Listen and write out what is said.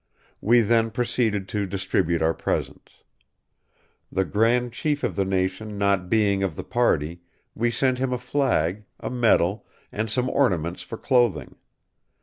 We then proceeded to distribute our presents. The grand chief of the nation not being of the party, we sent him a flag, a medal, and some ornaments for clothing.